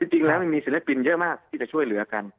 จริงแล้วมันมีศิลปินเยอะมากที่จะช่วยเหลือกัน